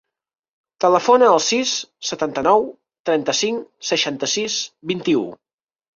Telefona al sis, setanta-nou, trenta-cinc, seixanta-sis, vint-i-u.